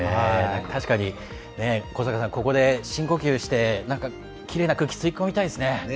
確かにここで、深呼吸してきれいな空気吸い込みたいですね。